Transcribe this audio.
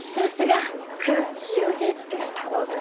クッキーをゲットしたのだ。